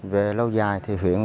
về lâu dài thì huyện